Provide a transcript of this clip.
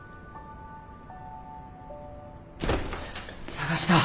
捜した。